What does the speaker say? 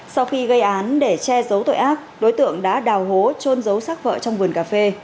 sau khi gây án để che giấu tội ác đối tượng đã đào hố trôn giấu sát vợ trong vườn cà phê